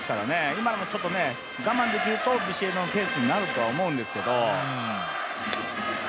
今のもちょっと我慢できるとビシエドのペースになると思うんですけど。